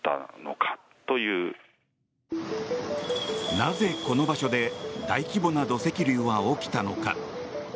なぜ、この場所で大規模な土石流は起きたのか。